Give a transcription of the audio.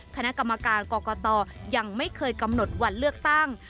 คณะกรรมการกรกตยังไม่เคยกำหนดวันเลือกตั้ง